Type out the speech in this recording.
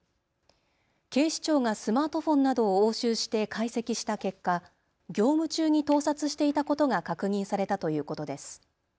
警視庁がスマートフォンなどを押収して解析した結果、業務中に盗撮していたことが確認されたということです。